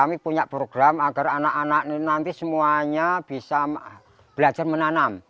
kita menyiapkan program agar anak anak nanti semuanya bisa belajar menanam